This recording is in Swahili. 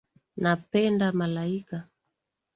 Napenda malaika.